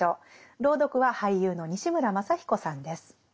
朗読は俳優の西村まさ彦さんです。